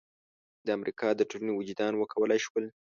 د امریکا د ټولنې وجدان وکولای شول.